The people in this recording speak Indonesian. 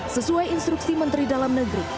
sesuai instruksi menteri dalam negeri